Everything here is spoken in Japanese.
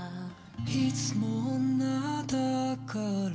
「いつも女だから」